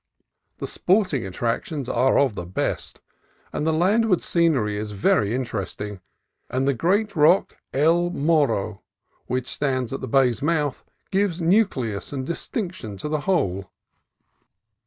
The sporting attractions are of the best, the landward scenery very interest ing, and the great rock, El Morro, which stands at the bay's mouth, gives nucleus and distinction to the whole.